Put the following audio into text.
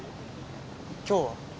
今日は？